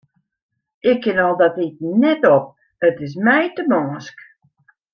Ik kin al dat iten net op, it is my te mânsk.